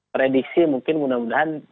prediksi mungkin mudah mudahan